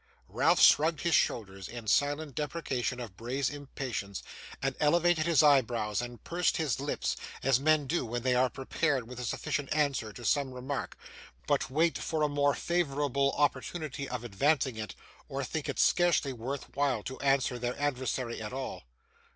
Ralph shrugged his shoulders, in silent deprecation of Bray's impatience, and elevated his eyebrows, and pursed his lips, as men do when they are prepared with a sufficient answer to some remark, but wait for a more favourable opportunity of advancing it, or think it scarcely worth while to answer their adversary at all.